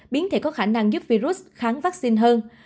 biến thể có khả năng giúp virus kháng vaccine hơn